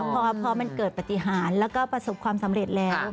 พอมันเกิดปฏิหารแล้วก็ประสบความสำเร็จแล้ว